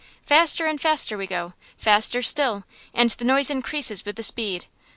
Faster and faster we go, faster still, and the noise increases with the speed.